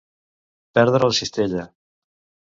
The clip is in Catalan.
Perdre la cistella.